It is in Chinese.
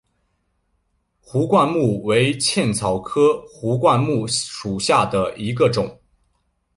壶冠木为茜草科壶冠木属下的一个种。